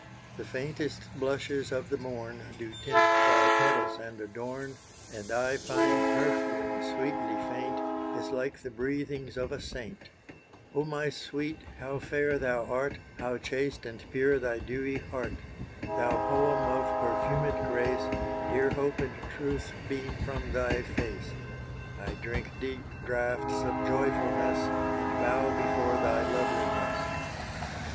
The faintest blushes of the morn Do tint thy petals and adorn, And thy fine perfume, sweetly faint, Is like the breathings of a saint. Oh my sweet! how fair thou art; How chaste and pure thy dewy heart! Thou poem of perfumed grace, Dear hope and truth beam from thy face. I drink deep draughts of joyfulness, And bow before thy loveliness.